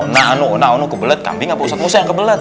nah anu nah anu kebelet kambing apa ustadz musa yang kebelet